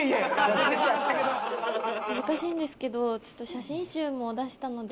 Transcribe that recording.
恥ずかしいんですけどちょっと写真集も出したので。